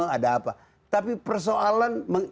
ada apa tapi persoalan